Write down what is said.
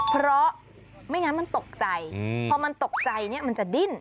เพราะไม่งั้นมันตกใจพอมันตกใจเนี่ยมันจะดิ้น